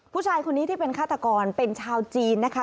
ผู้ชายคนนี้ที่เป็นฆาตกรเป็นชาวจีนนะคะ